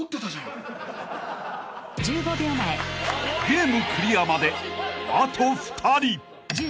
［ゲームクリアまであと２人］